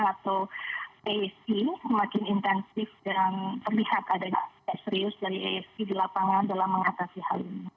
atau aac semakin intensif dan terlihat ada yang serius dari aac di lapangan dalam mengatasi hal ini